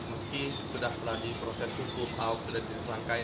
meski sudah telah diproses hukum ahok sudah disangkain